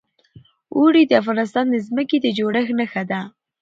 اوړي د افغانستان د ځمکې د جوړښت نښه ده.